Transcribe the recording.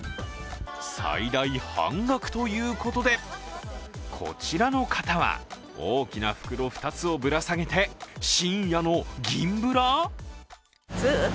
最大半額ということで、こちらの方は大きな袋２つをぶら下げて深夜の銀ブラ！？